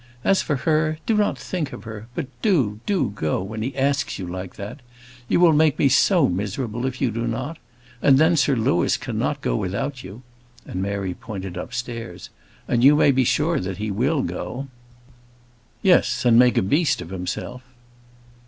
As for her, do not think of her; but do, do go when he asks you like that. You will make me so miserable if you do not. And then Sir Louis cannot go without you," and Mary pointed upstairs "and you may be sure that he will go." "Yes; and make a beast of himself."